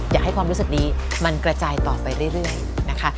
อยากให้ความรู้สึกนี้มันกระจายต่อไปเรื่อยนะคะ